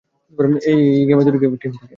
এই গেমে দুটি টিম থাকে।